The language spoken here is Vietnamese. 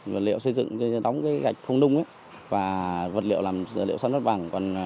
vật liệu xây dựng để đóng gạch không đung và vật liệu làm vật liệu săn lấp mặt bằng